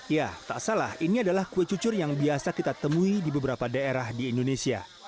ya tak salah ini adalah kue cucur yang biasa kita temui di beberapa daerah di indonesia